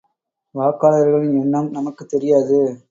வாக்காளர்களின் எண்ணம் நமக்குத் தெரியாது.